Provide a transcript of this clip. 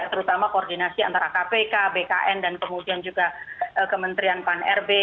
terutama koordinasi antara kpk bkn dan kemudian juga kementerian pan rb